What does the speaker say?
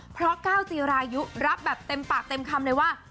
เพราะก้าวจีรายุรับแบบเต็มปากเต็มคำเลยว่า